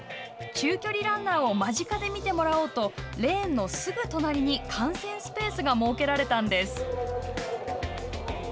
中距離ランナーを間近で見てもらおうとレーンのすぐ隣に観戦スペースが設けられたんです。